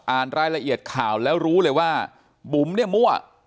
รายละเอียดข่าวแล้วรู้เลยว่าบุ๋มเนี่ยมั่ว